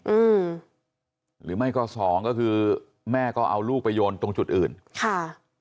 อืมหรือไม่ก็สองก็คือแม่ก็เอาลูกไปโยนตรงจุดอื่นค่ะ